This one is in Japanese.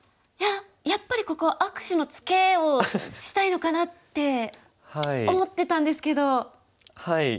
いややっぱりここ握手のツケをしたいのかなって思ってたんですけど。